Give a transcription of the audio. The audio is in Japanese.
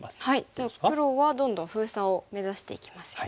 じゃあ黒はどんどん封鎖を目指していきますよね。